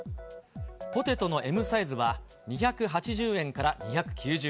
ポテトのＭサイズは２８０円から２９０円。